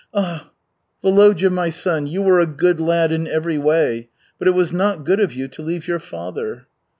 Ah, Volodya, my son, you were a good lad in every way, but it was not good of you to leave your father."